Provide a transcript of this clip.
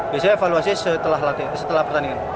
biasanya evaluasinya setelah pertandingan